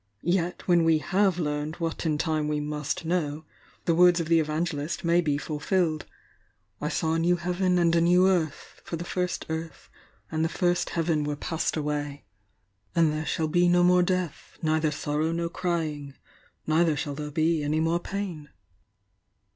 Yet, when we have learned what in time we must know, — the words of the Evangelist may be fulfilled: 'I saw a new heaven and a new earth, for "ae first earth and the first heaven were passed away. ... And there shall be no more death, neither sorrow nor crying, neither shall there be any more pain.'